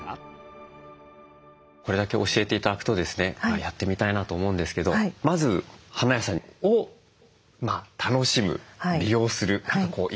これだけ教えて頂くとですねやってみたいなと思うんですけどまず花屋さんを楽しむ利用する何かいい方法ってありますか？